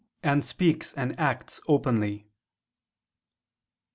. and speaks and acts openly."